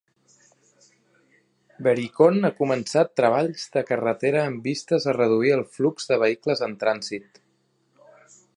Berikon ha començat treballs de carretera amb vistes a reduir el flux de vehicles en trànsit.